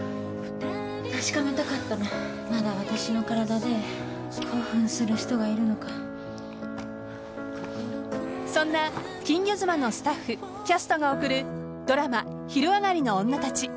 確かめたかったの、まだ私の体でそんな「金魚妻」のスタッフ、キャストが送るドラマ「昼上がりのオンナたち」。